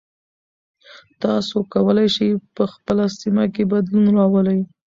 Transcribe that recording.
تاسو کولی شئ په خپله سیمه کې بدلون راولئ.